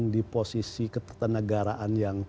di posisi ketentenagaraan yang